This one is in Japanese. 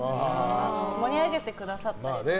盛り上げてくださったりとか